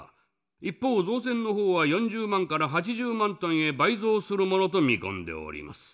一方造船の方は４０万から８０万ｔへ倍増するものと見込んでおります。